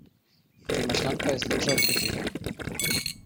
Czy maślanka jest lepsza od kefiru?